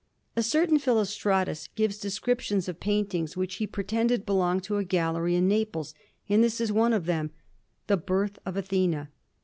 A certain Philostratus gives descriptions of paintings which he pretended belonged to a gallery in Naples, and this is one of them: "The Birth of Athena."